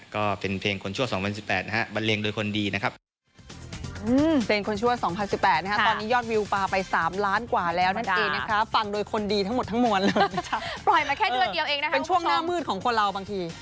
ก็เป็นเพลงคนชั่ว๒๐๑๘นะฮะบันเลงโดยคนดีนะครับ